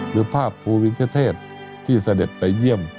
หรือภาพภูมิประเทศที่เสด็จไปเยี่ยม